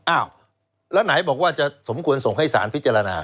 อ้าวแล้วไหนบอกว่าจะสมควรส่งให้สารพิจารณา